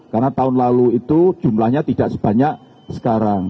karena tahun lalu itu jumlahnya tidak sebanyak sekarang